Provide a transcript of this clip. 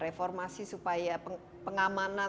reformasi supaya pengamanan